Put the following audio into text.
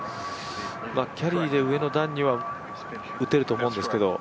キャリーで上の段には打てると思うんですけど。